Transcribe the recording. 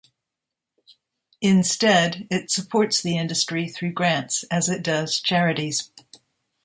Instead, it supports the industry through grants, as it does charities.